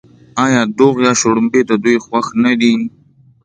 آیا دوغ یا شړومبې د دوی خوښ نه دي؟